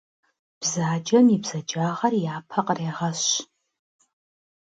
Бзаджэм и бзаджагъэр япэ кърегъэщ.